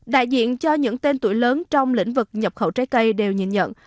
đại diện cho những tên tuổi lớn trong lĩnh vực nhập khẩu trái cây đều nhìn nhận